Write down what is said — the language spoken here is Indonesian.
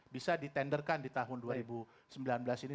bisa ditenderkan di tahun dua ribu sembilan belas ini